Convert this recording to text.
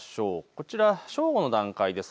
こちら正午の段階です。